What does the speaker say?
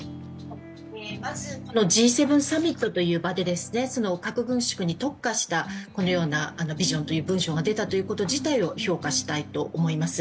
まずＧ７サミットという場で核軍縮に特化したこのようなビジョンという文書が出たということ自体を評価したいと思います。